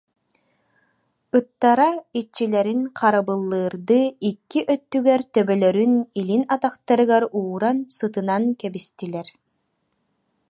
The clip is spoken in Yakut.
Ыттара иччилэрин харабыллыырдыы икки өттүгэр төбөлөрүн илин атахтарыгар ууран сытынан кэбистилэр